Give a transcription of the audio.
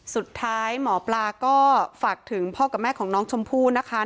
สุดท้ายหมอปลาก็ฝากถึงพ่อกับแม่ของน้องชมพู่นะคะ